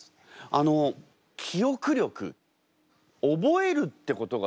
あの記憶力覚えるってことがすごい大事？